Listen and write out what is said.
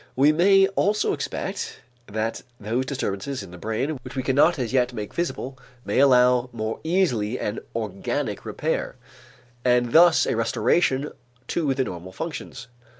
We may also expect that those disturbances in the brain which we cannot as yet make visible, may allow more easily an organic repair and thus a restoration to the normal functions.